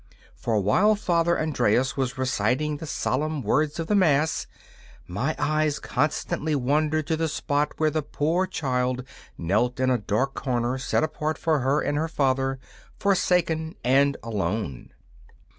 For while Father Andreas was reciting the solemn words of the mass my eyes constantly wandered to the spot where the poor child knelt in a dark corner set apart for her and her father, forsaken and alone.